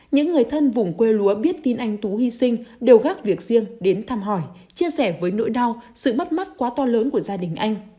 những người thân vùng quê lúa biết tin anh tú hy sinh đều gác việc riêng đến thăm hỏi chia sẻ với nỗi đau sự mất mắt quá to lớn của gia đình anh